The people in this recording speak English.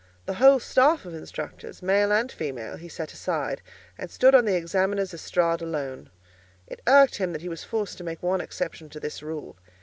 The whole staff of instructors, male and female, he set aside, and stood on the examiner's estrade alone. It irked him that he was forced to make one exception to this rule.